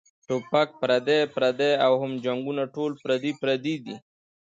ټوپک پردے پردے او هم جنګــــونه ټول پردي دي